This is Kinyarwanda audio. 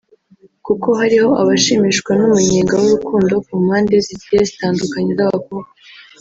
kuko hariho abashimishwa n’umunyenga w’urukundo ku mpande z’igiye zitandukanye z’abakobwa